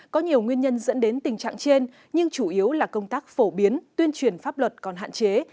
có nhiều nguyên nhân dẫn đến tình trạng trên nhưng chủ yếu là công tác phổ biến tuyên truyền pháp luật còn hạn chế